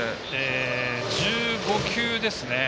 １５球ですね。